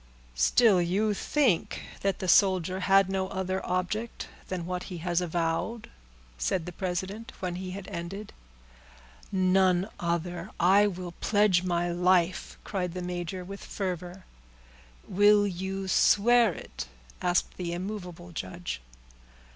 "Still you think that the prisoner had no other object than what he has avowed?" said the president, when he had ended. "None other, I will pledge my life," cried the major, with fervor. "Will you swear it?" asked the immovable judge.